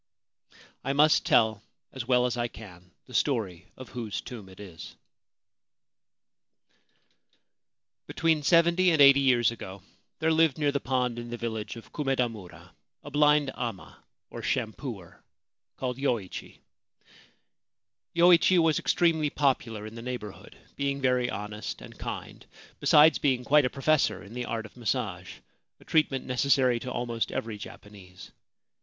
I must tell, as well as I can, the story of whose tomb it is. 1 Told to me by Fukuga. 2? Ancient Tales and Folklore of Japan Between seventy and eighty years ago there lived near the pond in the village of Kumedamura a blind amma 1 called Yoichi. Yoichi was extremely popular in the neighbourhood, being very honest and kind, besides being quite a professor in the art of massage — a treatment necessary to almost every Japanese.